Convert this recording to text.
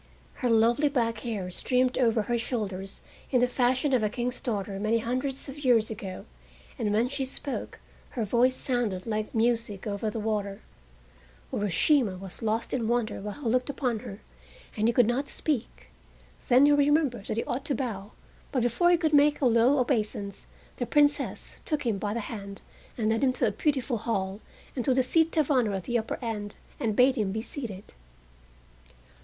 Her lovely black hair streamed over her shoulders in the fashion of a king's daughter many hundreds of years ago, and when she spoke her voice sounded like music over the water. Urashima was lost in wonder while he looked upon her, and he could not speak. Then he remembered that he ought to bow, but before he could make a low obeisance the Princess took him by the hand and led him to a beautiful hall, and to the seat of honor at the upper end, and bade him be seated.